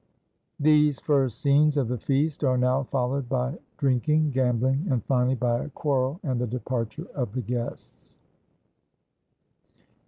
[These first scenes of the feast are now followed by drink ing, gambling, and finally by a quarrel and the departure of the guests.